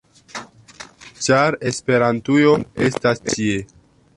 ĉar Esperantujo estas ĉie!